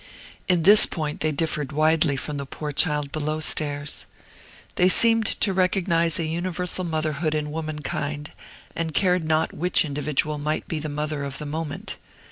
In this point they differed widely from the poor child below stairs. They seemed to recognize a universal motherhood in womankind, and cared not which individual might be the mother of the moment.